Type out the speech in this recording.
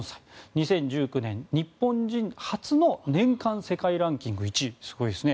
２０１９年日本人初の年間世界ランキング１位すごいですね。